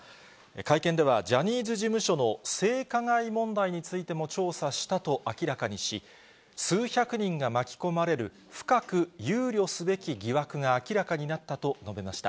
会見では、ジャニーズ事務所の性加害問題についても調査したと明らかにし、数百人が巻き込まれる、深く憂慮すべき疑惑が明らかになったと述べました。